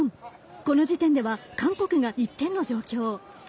この時点では韓国が１点の状況。